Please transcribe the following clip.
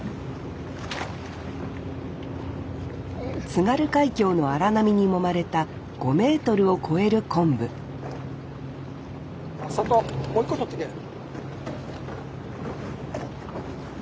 津軽海峡の荒波にもまれた５メートルを超える昆布もう一個とってけれ。